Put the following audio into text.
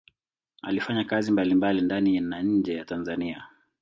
Alifanya kazi mbalimbali ndani na nje ya Tanzania